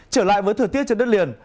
trở lại với thời tiết trên đất liền